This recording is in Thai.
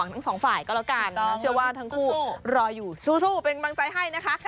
ไม่งั้นจะแบบระบบทางการแพทย์แล้วใช่มั้ย